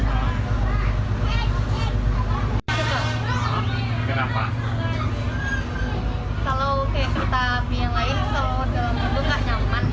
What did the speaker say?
kalau kayak kereta api yang lain kalau dalam hidung kan